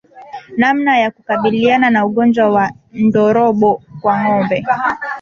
Namna ya kukabiliana na ugonjwa wa ndorobo kwa ngombe